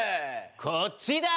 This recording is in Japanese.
こっちだ！